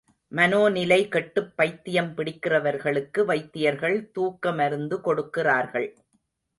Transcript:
மனோநிலை கெட்டுப் பைத்தியம் பிடிக்கிறவர்களுக்கு வைத்தியர்கள் தூக்க மருந்து கொடுக்கிறார்கள்.